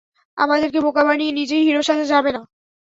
আমাদেরকে বোকা বানিয়ে নিজে হিরো সাজা যাবে না।